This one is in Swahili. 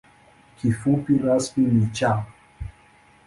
Kifupi rasmi ni ‘Cha’.